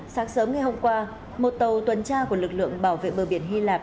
sáng sớm ngày hôm qua một tàu tuần tra của lực lượng bảo vệ bờ biển hy lạp